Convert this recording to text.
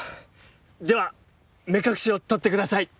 では目隠しを取って下さい！